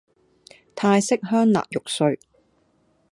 泰式香辣肉碎